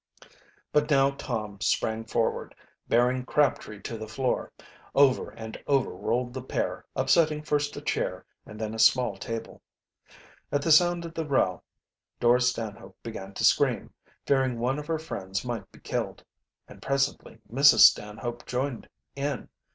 But now Tom sprang forward, bearing Crabtree to the floor. Over and over rolled the pair, upsetting first a chair and then a small table. At the sound of the row Dora Stanhope began to scream, fearing one of her friends might be killed, and presently Mrs. Stanhope joined in.